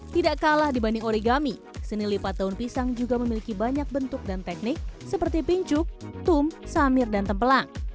tidak kalah dibanding origami seni lipat daun pisang juga memiliki banyak bentuk dan teknik seperti pincuk tum samir dan tempelang